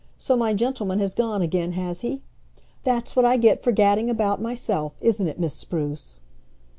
So my gentleman has gone again, has he? That's what I get for gadding about myself, isn't it, Miss Spruce?"